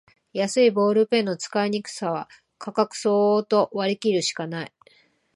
安いボールペンの使いにくさは価格相応と割りきるしかない